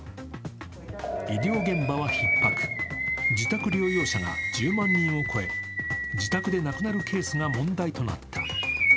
医療現場はひっ迫、自宅療養者が１０万人を超え、自宅で亡くなるケースが問題となった。